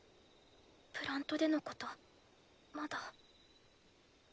プラントでのことまだ。